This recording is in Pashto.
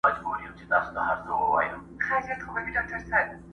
نه په زړه رازونه پخواني لري!!